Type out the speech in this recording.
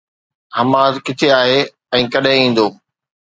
حماد، ڪٿي آهي ۽ ڪڏهن ايندو؟